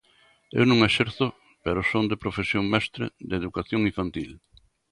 Eu non exerzo, pero son de profesión mestre de educación infantil.